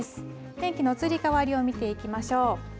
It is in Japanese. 天気の移り変わりを見ていきましょう。